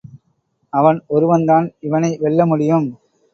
அவன் ஒருவன்தான் இவனை வெல்ல முடியும்.